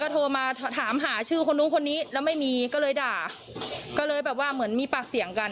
โทรมาถามหาชื่อคนนู้นคนนี้แล้วไม่มีก็เลยด่าก็เลยแบบว่าเหมือนมีปากเสียงกัน